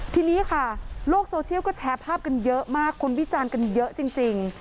ทีนี้ค่ะโลกโซเชียลก็แชร์ภาพกันเยอะมากคนวิจารณ์กันเยอะจริง